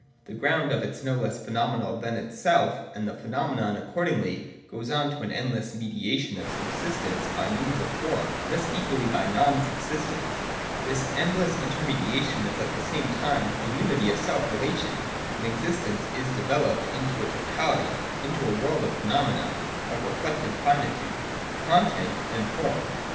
This ground of its is no less phenomenal than itself, and the phenomenon accordingly goes on to an endless me diation of subsistence by means of form, and thus equally by non subsistence. This endless inter mediation is at VOL. II. R 242 THE DOCTRINE OF ESSENCE. [132, 133 the same time a unity of self relation ; and existence is developed into a totality, into a world of phenomena, — of reflected finitude. (6) Content and Form.